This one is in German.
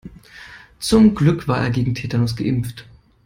Zum Glück war er gegen Tetanus geimpft.